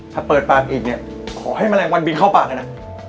ถ้าเปิดปากอีกเนี่ยขอให้แมลงวันบินเข้าปากเลยนะ